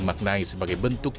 jokowi tidak menggunakan